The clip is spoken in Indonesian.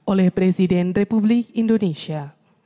oleh presiden republik indonesia